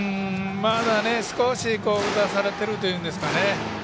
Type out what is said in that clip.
少し打たされているというんですかね。